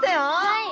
はい！